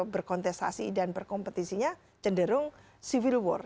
berkontestasi dan berkompetisinya cenderung civil war